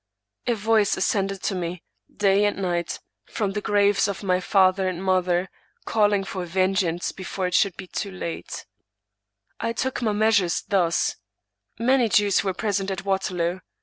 A voice ascended to me, day and night, from the graves of my father and mother, calling for vengeance before it should be too late, 156 Thomas De Quincey I took my measures thus: Many Jews were present at Waterloo.